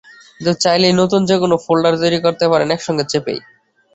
কিন্তু চাইলেই নতুন যেকোনো ফোল্ডার তৈরি করতে পারেন একসঙ্গে চেপেই।